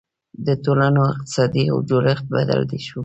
• د ټولنو اقتصادي جوړښت بدل شو.